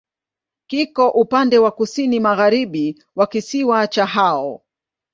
Kiko upande wa kusini-magharibi wa kisiwa cha Hao.